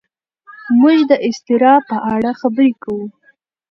موږ د اضطراب په اړه خبرې کوو.